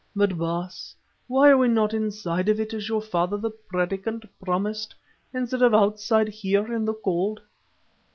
But, Baas, why are we not inside of it as your father the Predikant promised, instead of outside here in the cold?"